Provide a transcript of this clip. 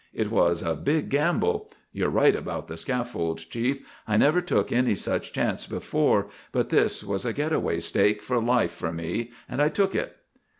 It was a big gamble. You're right about the scaffold, Chief. I never took any such chance before, but this was a 'get away' stake for life for me, and I took it.